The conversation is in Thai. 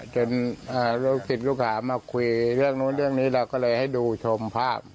ลูกศิษย์ลูกหามาคุยเรื่องนู้นเรื่องนี้เราก็เลยให้ดูชมภาพ